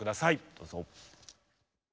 どうぞ。